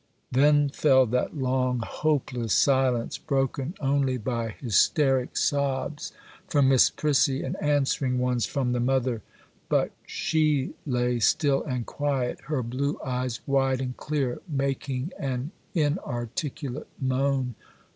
Then fell that long, hopeless silence, broken only by hysteric sobs from Miss Prissy, and answering ones from the mother; but she lay still and quiet, her blue eyes wide and clear, making an inarticulate moan.